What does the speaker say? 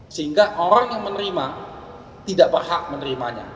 sehingga orang yang menerima tidak berhak menerimanya